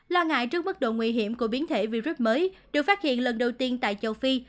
lo ngại trước mức độ nguy hiểm của biến thể virus mới được phát hiện lần đầu tiên tại châu phi